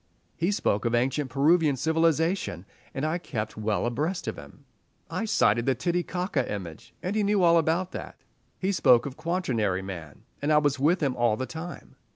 He spoke of ancient Peruvian civilization, and I kept well abreast of him. I cited the Titicaca image, and he knew all about that. He spoke of Quaternary man, and I was with him all the time.